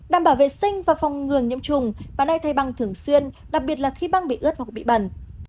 đảm bảo vệ sinh và phòng ngường nhiễm trùng bạn hãy thay băng thường xuyên đặc biệt là khi băng bị ướt hoặc bị bẩn